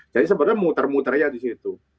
jadi sebetulnya muter muter aja disitu